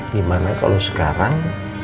gimana kalau sekarang